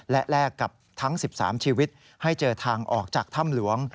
และแลกกับทั้ง๑๓ชีวิตให้เจอทางออกจากถ้ำหลวง